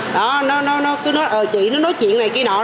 nó nói chuyện này kia nọ